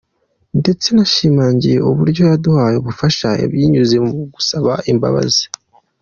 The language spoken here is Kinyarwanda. Ndetse nashimangiye uburyo yaduha ubufasha binyuze mu gusaba imbabazi.